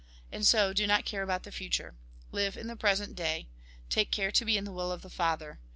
And so, do not care about the future. Live in the present day. Take care to he in the will of the Father.